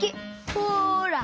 ほら。